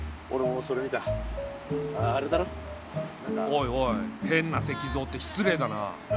おいおい変な石像って失礼だな。